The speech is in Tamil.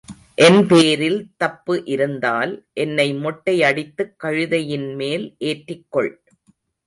என் பேரில் தப்பு இருந்தால் என்னை மொட்டை அடித்துக் கழுதையின்மேல் ஏற்றிக் கொள்.